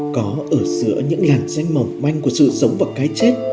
có ở giữa những làn danh mỏng manh của sự sống và cái chết